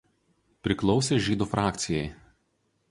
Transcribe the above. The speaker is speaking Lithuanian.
Priklausė Žydų frakcijai.